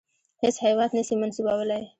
هیڅ هیواد نه سي منسوبولای.